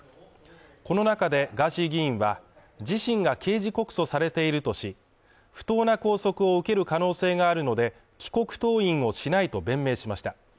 この中でガーシー議員は、自身が刑事告訴されているとし、不当な拘束を受ける可能性があるので、帰国登院をしないと弁明しました。